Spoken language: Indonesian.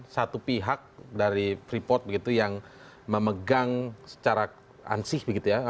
satu pihak dari freeport begitu yang memegang secara ansih begitu ya